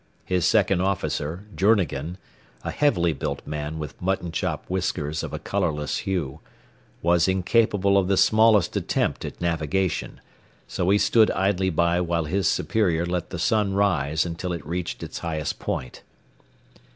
His second officer, Journegan, a heavily built man with mutton chop whiskers of a colorless hue, was incapable of the smallest attempt at navigation, so he stood idly by while his superior let the sun rise until it had reached its highest point.